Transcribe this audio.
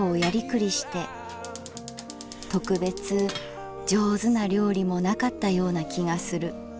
特別上手な料理もなかったような気がする。